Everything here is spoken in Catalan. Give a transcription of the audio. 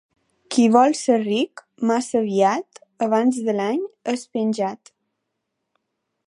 Qui vol ser ric massa aviat, abans de l'any és penjat.